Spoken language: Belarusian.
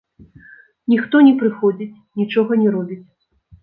Ніхто не прыходзіць, нічога не робіць.